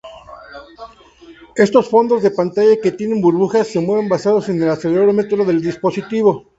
Estos fondos de pantalla que tienen burbujas, se mueven basado en el acelerómetro del dispositivo.